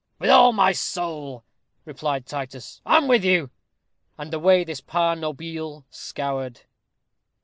"With all my sowl," replied Titus. "I'm with you." And away this par nobile scoured.